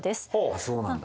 あっそうなんだ。